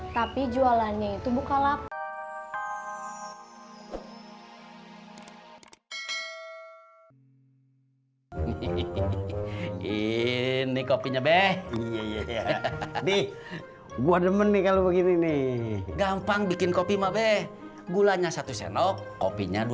tapi jualannya itu bukan laku